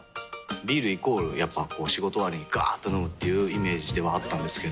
ビールイコールやっぱこう仕事終わりにガーっと飲むっていうイメージではあったんですけど。